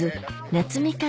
夏みかん。